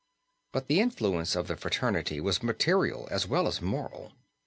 But the influence of the fraternity was material as well as moral.